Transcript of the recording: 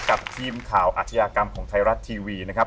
กับทีมข่าวอาชญากรรมของไทยรัฐทีวีนะครับ